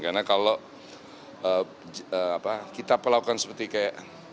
karena kalau kita perlakukan seperti kayak